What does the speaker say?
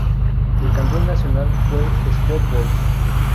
El campeón nacional fue Sport Boys.